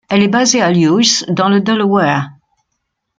Elle est basée à Lewes dans le Delaware.